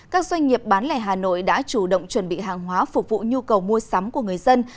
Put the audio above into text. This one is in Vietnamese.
các doanh nghiệp bán lẻ hà nội đã chủ động chuẩn bị hàng hóa phục vụ nhu cầu mua sắm của người dân